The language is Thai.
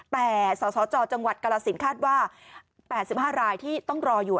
แต่สาวจกราศิลป์คาดว่าแปดสิบห้ารายที่ต้องรออยู่